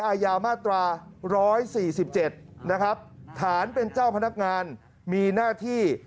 อาญามาตรา๑๔๗นะครับฐานเป็นเจ้าพนักงานมีหน้าที่